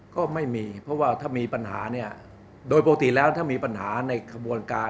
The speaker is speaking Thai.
ก็ไม่มีเพราะว่าถ้ามีปัญหาเนี่ยโดยปกติแล้วถ้ามีปัญหาในขบวนการ